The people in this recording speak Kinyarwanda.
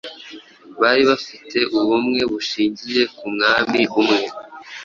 bari bafite ubumwe bushingiye ku mwami umwe